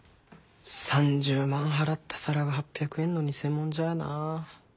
３０万払った皿が８００円の偽物じゃあな。